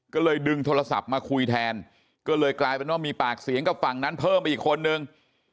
ก็เลยดึงโทรศัพท์มาคุยแทนก็เลยกลายเป็นว่ามีปากเสียงกับฝั่งนั้นเพิ่มไปอีกคนนึง